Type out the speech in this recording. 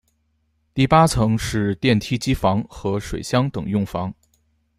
第八层是电梯机房和水箱等用房。